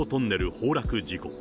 崩落事故。